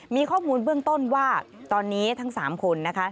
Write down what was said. มีข้อมูลเบื้องต้นว่าตอนนี้ทั้ง๓คนนะคะ